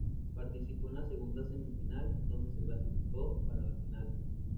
Participó en la segunda semifinal, donde se clasificó para la final.